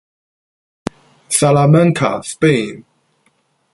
Salamanca, Spain.